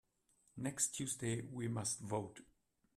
Next Tuesday we must vote.